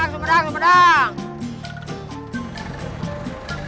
sempedang sempedang sempedang